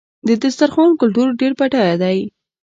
د دسترخوان کلتور ډېر بډایه دی.